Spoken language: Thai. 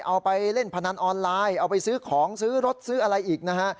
เอาไปเล่นพนันออนไลน์เอาไปซื้อของซื้อรถซื้ออะไรอีกนะฮะ